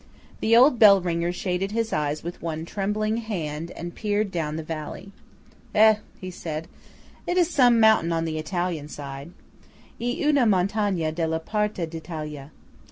The old bellringer shaded his eyes with one trembling hand, and peered down the valley. "Eh," he said, "it is some mountain on the Italian side" (E una montagna della parte d'Italia).